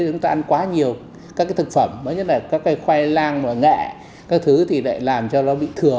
chúng ta ăn quá nhiều các cái thực phẩm nhất là các cái khoai lang và nghệ các thứ thì lại làm cho nó bị thừa